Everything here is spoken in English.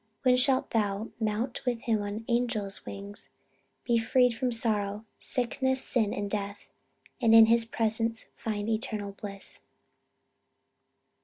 Then shalt thou mount with him on angels' wings Be freed from sorrow, sickness, sin and death. And in his presence find eternal bliss."